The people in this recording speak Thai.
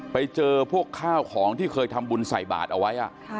ไปเจอพวกข้าวของที่เคยทำบุญใส่บาทเอาไว้